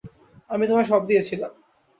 আমি তোমায় সব দিয়েছিলাম!